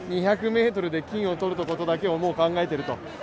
もう、２００ｍで金を取ることだけを考えていると。